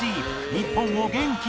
日本を元気に！